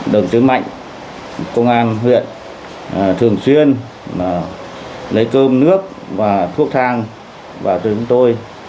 đồng tiến mạnh công an huyện thường xuyên lấy cơm nước và thuốc thang vào từ chúng tôi